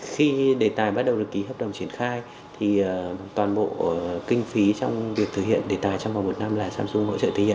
khi đề tài bắt đầu được ký hợp đồng triển khai thì toàn bộ kinh phí trong việc thực hiện đề tài trong vòng một năm là samsung hỗ trợ thực hiện